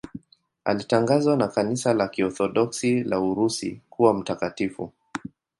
Alitangazwa na Kanisa la Kiorthodoksi la Urusi kuwa mtakatifu.